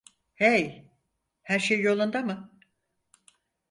Hey, her şey yolunda mı?